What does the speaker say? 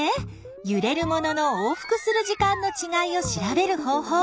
ゆれるものの往復する時間のちがいを調べる方法。